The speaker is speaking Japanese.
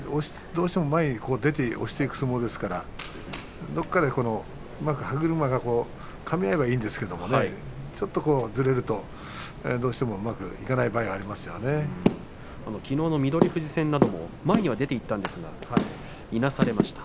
どうしても前に出て押していく相撲ですのでどこかで、うまく歯車がかみ合えばいいんですがちょっとずれるとどうしてもうまくいかない場合がきのうの翠富士戦前に出ていったんですがいなされてしまいました。